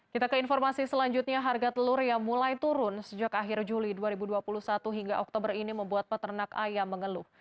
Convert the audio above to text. kita ke informasi selanjutnya harga telur yang mulai turun sejak akhir juli dua ribu dua puluh satu hingga oktober ini membuat peternak ayam mengeluh